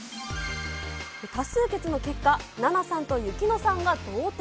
多数決の結果、ナナさんとユキノさんが同点。